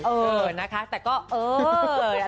เออนะคะแต่ก็เออ